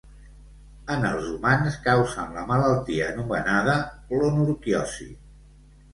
En els humans causen la malaltia anomenada clonorquiosi.